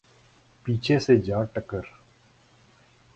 پیچھے سے جا ٹکر